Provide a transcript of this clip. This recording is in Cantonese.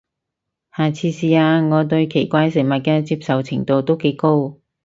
下次試下，我對奇怪食物嘅接受程度都幾高